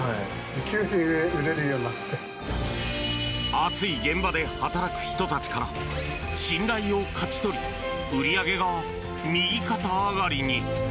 暑い現場で働く人たちから信頼を勝ち取り売り上げが右肩上がりに。